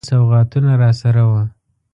کوچني سوغاتونه راسره وه.